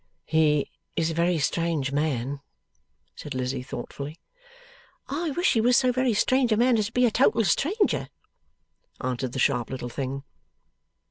'He is a very strange man,' said Lizzie, thoughtfully. 'I wish he was so very strange a man as to be a total stranger,' answered the sharp little thing.